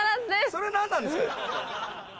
それ何なんですか？